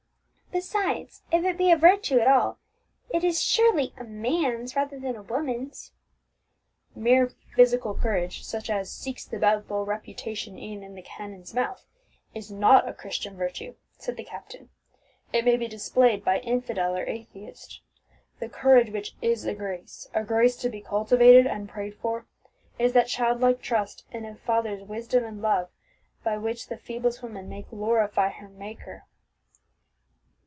"Besides, if it be a virtue at all, it is surely a man's rather than a woman's." "Mere physical courage, such as 'seeks the bubble reputation e'en in the cannon's mouth,' is not a Christian virtue," said the captain; "it may be displayed by infidel or atheist. The courage which is a grace, a grace to be cultivated and prayed for, is that childlike trust in a Father's wisdom and love, by which the feeblest woman may glorify her Maker."